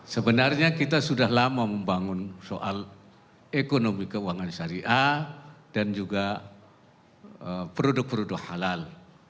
sebenarnya kita sudah lama membangun soal ekonomi keuangan syariah dan juga produk produk halal